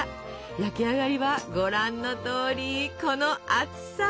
焼き上がりはご覧のとおりこの厚さ。